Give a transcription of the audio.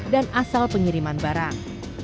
dan asal pengiriman barang